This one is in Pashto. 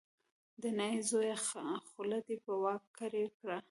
د نايي زویه خوله دې په واک کې کړه.